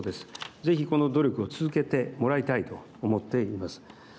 ぜひこの努力を続けてもらいたいと思っています。